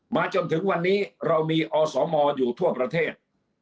จนถึงวันนี้เรามีอสมอยู่ทั่วประเทศ